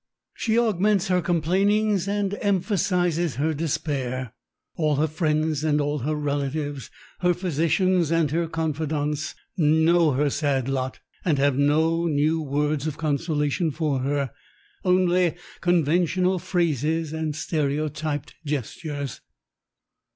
She augments her complainings and emphasizes her despair. All her friends and all her relatives, her physicians and her confidants, know her sad lot and have no new words of consolation for her, only conventional phrases and stereotyped gestures.